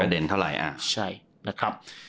ไม่ได้มีประเด็นเท่าไหร่